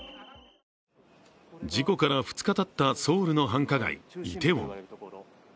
事故から２日たったソウルの繁華街イテウォン。